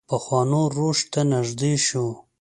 پخوانو روش ته نږدې شو.